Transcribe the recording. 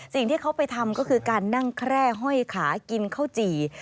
สิ่งที่เขาไปทำก็คือการนั่งแคร่ห้อยขากินข้าวจี่